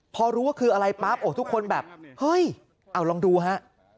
พอรู้ว่าคืออะไรปั๊บโอ้ทุกคนแบบเฮ้ยเอาลองดูฮะ